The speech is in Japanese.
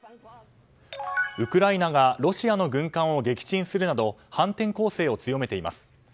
ウクライナがロシアの軍艦を撃沈するなど反転攻勢を強めています。